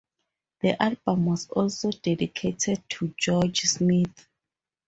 The album was also dedicated to George Smith.